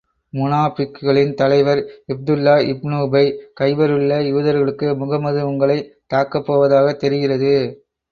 முனாபிக்குகளின் தலைவர் Abdullah ibn Ubayy, கைபரிலுள்ள யூதர்களுக்கு முஹம்மது உங்களைத் தாக்கப் போவதாகத் தெரிகிறது.